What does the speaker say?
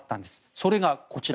それが、こちら。